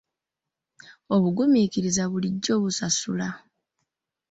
Obugumiikiriza bulijjo busasula.